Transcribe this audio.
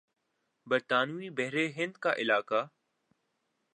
برطانوی بحر ہند کا علاقہ